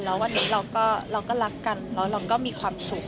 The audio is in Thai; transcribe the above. แล้ววันนี้เราก็รักกันแล้วเราก็มีความสุข